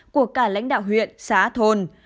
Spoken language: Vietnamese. của cả lãnh đạo huyện xã thôn